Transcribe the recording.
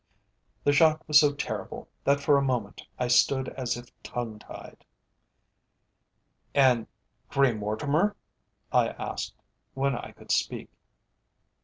The shock was so terrible, that for a moment I stood as if tongue tied. "And Grey Mortimer?" I asked, when I could speak.